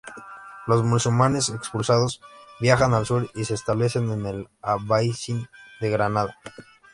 Los musulmanes expulsados viajan al sur y se establecen en el Albaicín de Granada.